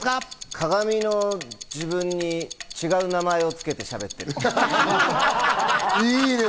鏡の自分に違う名前をつけてしゃべる。